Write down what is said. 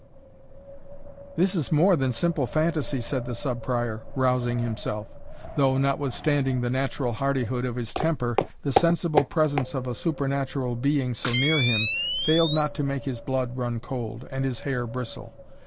"This is more than simple fantasy," said the Sub Prior, rousing himself; though, notwithstanding the natural hardihood of his temper, the sensible presence of a supernatural being so near him, failed not to make his blood run cold, and his hair bristle.